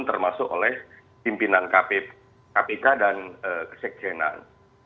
termasuk oleh pimpinan kpk dan kesekjenan